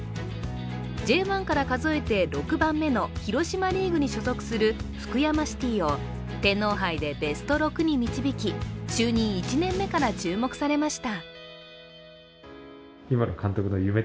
Ｊ１から数えて６番目の広島リーグに所属する福山シティを天皇杯でベスト６に導き就任１年目から注目されました。